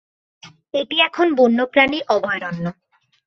এটি এখন বন্যপ্রাণীর অভয়রন্য।